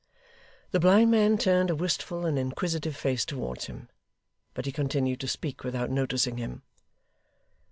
The blind man turned a wistful and inquisitive face towards him, but he continued to speak, without noticing him.